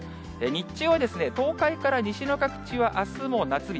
日中は、東海から西の各地はあすも夏日。